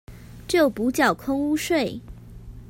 就補繳空屋稅